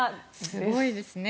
すごいですね。